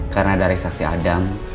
karena dari saksi adam